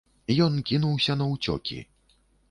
Ён кінуўся на ўцёкі.